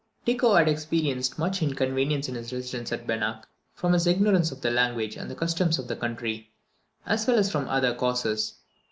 Tycho had experienced much inconvenience in his residence at Benach, from his ignorance of the language and customs of the country, as well as from other causes.